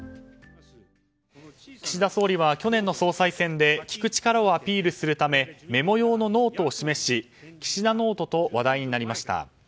岸田総理は去年の総裁選で聞く力をアピールするためメモ用のノートを示し岸田ノートと話題になりました。